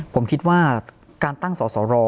ผมคิดว่าการตั้งสอสร